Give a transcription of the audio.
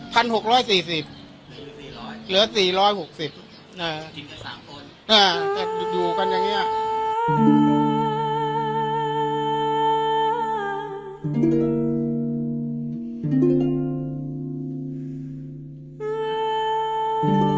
พันหกร้อยสี่สิบเหลือสี่ร้อยหลือสี่ร้อยหกสิบเออจริงจากสามคน